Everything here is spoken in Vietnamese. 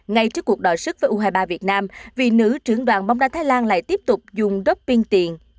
ngay trước cuộc đòi sức với u hai mươi ba việt nam vị nữ trưởng đoàn bóng đá thái lan lại tiếp tục dùng doping tiền